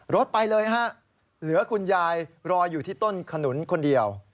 รถไปเลยฮะเหลือคุณยายรออยู่ที่ต้นขนุนคนเดียว